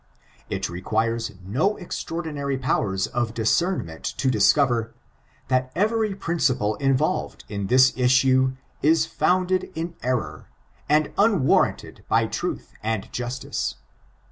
It requires no extra ordinary powers of discernment to discover, that every principle involved in this issue is founded in error, and unwarranted by truth and justice.